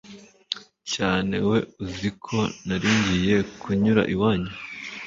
cyane we uziko naringiye kunyura iwanyu